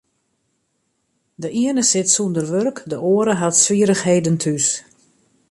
De iene sit sûnder wurk, de oare hat swierrichheden thús.